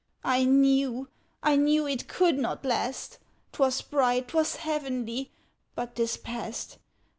I knew, I knew it could not last, 'T was bright, 't was heavenly, but 't is past!